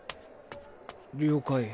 了解。